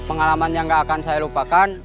pengalaman yang gak akan saya lupakan